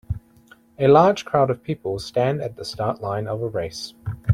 A large crowd of people stand at the start line of a race.